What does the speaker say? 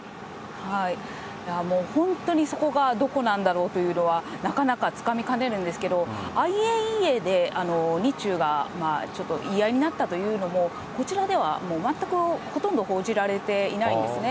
もう、本当にそこがどこなんだろうというのはなかなかつかみかねるんですけど、ＩＡＥＡで、日中がちょっと言い合いになったというのも、こちらではもう全くほとんど報じられていないんですね。